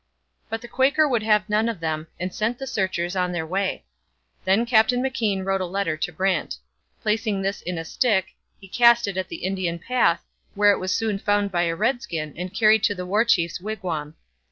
But the Quaker would have none of them, and sent the searchers on their way. Then Captain McKean wrote a letter to Brant. Placing this in a stick, he cast it on an Indian path, where it was soon found by a redskin and carried to the War Chief's wigwam.